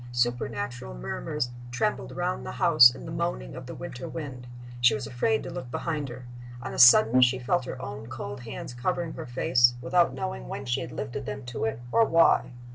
Supernatural murmurs trembled round the house in the moaning of the winter wind. She was afraid to look behind her. On a sudden she felt her own cold hands covering her face, without knowing when she had lifted them to it, or why.